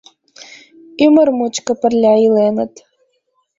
Ӱмыр мучко пырля иленыт.